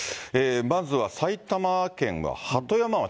まずは埼玉県は鳩山町。